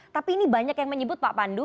tapi ini banyak yang menyebut pak pandu